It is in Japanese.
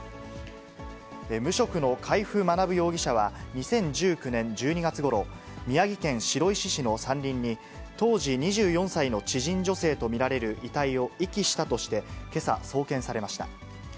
無職の海部学容疑者は、２０１９年１２月ごろ、宮城県白石市の山林に当時２４歳の知人女性と見られる遺体を遺棄したとして、けさ、送検されました。